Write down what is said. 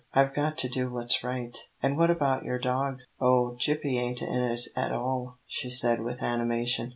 I've got to do what's right." "And what about your dog?" "Oh, Gippie ain't in it at all," she said, with animation.